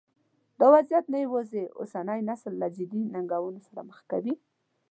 دا وضعیت نه یوازې اوسنی نسل له جدي ننګونو سره مخ کړی.